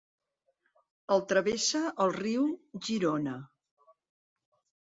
El travessa el riu Girona.